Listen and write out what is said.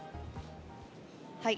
はい。